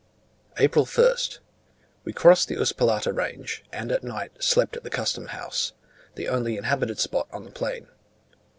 April 1st. We crossed the Upsallata range, and at night slept at the custom house the only inhabited spot on the plain.